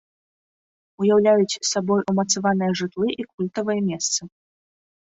Уяўляюць сабой умацаваныя жытлы і культавыя месцы.